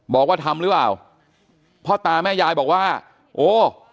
บอกว่าทำหรือเปล่าพ่อตาแม่ยายบอกว่าโอ้